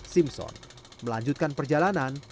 simpson melanjutkan perjalanan